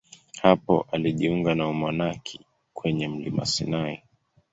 Hapo alijiunga na umonaki kwenye mlima Sinai.